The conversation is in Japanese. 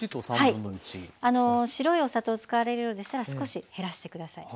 あの白いお砂糖使われるようでしたら少し減らしてください。